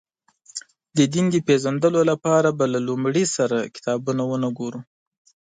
د دین د پېژندلو لپاره به له لومړي سره کتابونه ونه ګورو.